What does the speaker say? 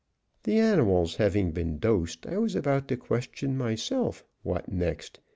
The animals having been dosed, I was about to question myself "What next?"